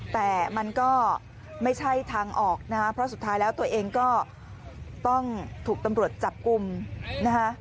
แต่มันก็ไม่ใช่ทางออกนะคะเพราะสุดท้ายแล้วตัวเองก็ต้องถูกตำรวจจับกลุ่มนะคะ